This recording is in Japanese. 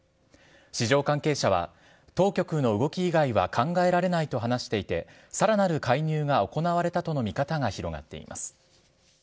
市場関係者は、当局の動き以外は考えられないと話していて、さらなる介入が行われたとの見方が広がっています。